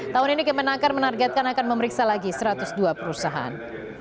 tahun ini kemenaker menargetkan akan memeriksa lagi satu ratus dua perusahaan